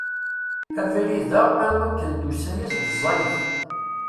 Abrid-a am wakken tusa-yas-d ẓẓayet.